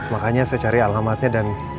makanya saya cari alamatnya dan